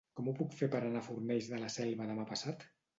Com ho puc fer per anar a Fornells de la Selva demà passat?